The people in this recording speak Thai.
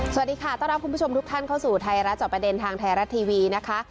สวัสดีค่ะต้อนรับคุณผู้ชมทุกท่านเข้าสู่ไทยรัฐจอบประเด็นทางไทยรัฐทีวีนะคะ